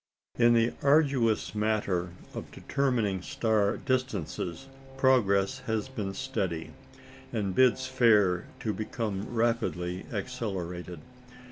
In the arduous matter of determining star distances progress has been steady, and bids fair to become rapidly accelerated.